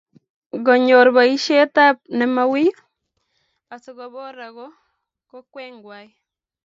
ngonyor boishetab nemawiiy asigoboor ago kokwengwai